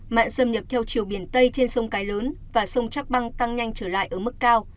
mặn xâm nhập theo chiều biển tây trên sông cái lớn và sông trắc băng tăng nhanh trở lại ở mức cao